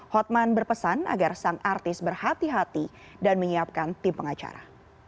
hotman berpesan agar sang artis berhati hati dan menyiapkan tim pengacara